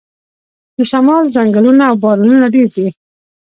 د شمال ځنګلونه او بارانونه ډیر دي.